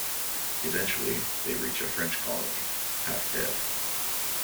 Eventually, they reach a French colony, half dead.